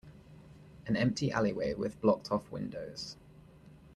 An empty alleyway with blocked off windows.